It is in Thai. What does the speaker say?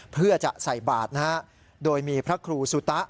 เพื่อจะใส่บาทนะฮะโดยมีพระครูสุตะ